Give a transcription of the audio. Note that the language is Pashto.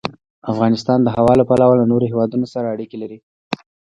افغانستان د هوا له پلوه له نورو هېوادونو سره اړیکې لري.